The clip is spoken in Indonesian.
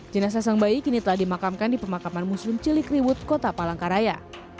jenasa sang bayi kini telah dimakamkan di pemakaman muslim cilikriwut kota palangkaraya